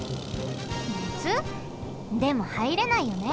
でもはいれないよね。